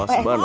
oh si barong